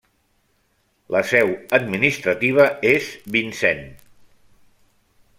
La seu administrativa és Vincent.